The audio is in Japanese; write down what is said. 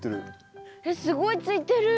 すごいついてる。